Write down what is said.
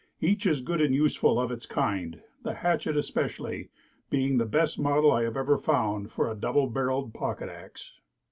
Each is good and useful of its kind, the hatchet especially, being the best model I have ever found for a "double barreled" pocket axe.